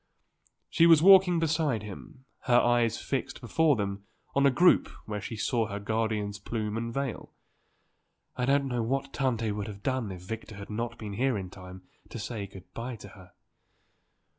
She was walking beside him, her eyes fixed before them on the group where she saw her guardian's plume and veil. "I don't know what Tante would have done if Victor had not been here in time to say good bye to her."